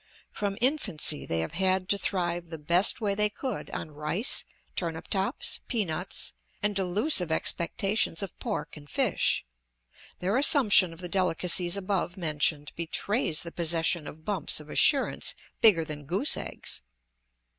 From infancy they have had to thrive the best way they could on rice, turnip tops, peanuts, and delusive expectations of pork and fish; their assumption of the delicacies above mentioned betrays the possession of bumps of assurance bigger than goose eggs.